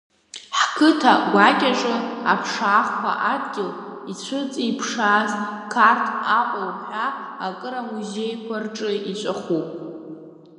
Ҳқыҭа гәакьаҿы аԥшаахқәа адгьыл ицәыҵиԥшааз, Қарҭ, Аҟәа уҳәа акыр амузеиқәа рҿы иҵәахуп…